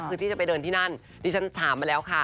คือที่จะไปเดินที่นั่นดิฉันถามมาแล้วค่ะ